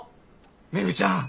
めぐちゃん